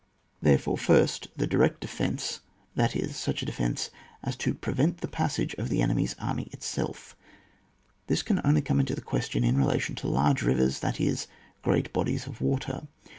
Therefore, first, the direct defence, that is, such a defence as is to prevent the passage of the enemy's army itself. This can only come into the question in relation to large rivers, that is, great bodies of water.